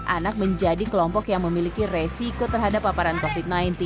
anak menjadi kelompok yang memiliki resiko terhadap paparan covid sembilan belas